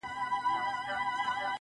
خو اوس د اوښكو سپين ځنځير پر مخ گنډلی.